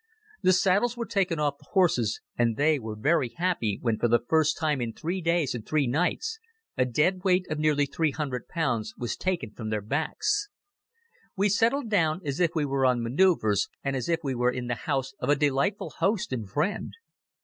The saddles were taken off the horses and they were very happy when for the first time in three days and three nights, a dead weight of nearly three hundred pounds was taken from their backs. We settled down as if we were on manoeuvres and as if we were in the house of a delightful host and friend.